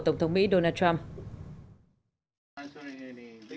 tổng thống mỹ donald trump đã có cuộc hội đàm với người đồng cấp nước chủ nhà rodrigo duterte